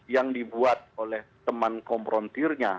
yang dibuat oleh teman komprontirnya